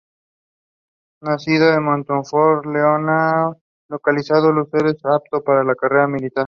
Nacido en Monforte de Lemos, localidad lucense, optó por la carrera militar.